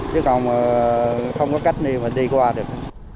chứ còn không có cách nào mà đi qua được